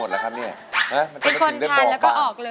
น่ากลัวมาก